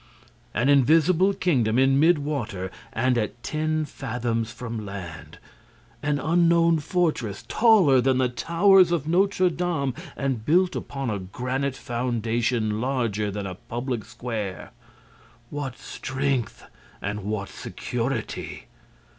An invisible kingdom, in mid water and at ten fathoms from land! An unknown fortress, taller than the towers of Notre Dame and built upon a granite foundation larger than a public square! What strength and what security!